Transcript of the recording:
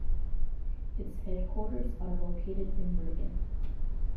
Its headquarters are located in Bergen.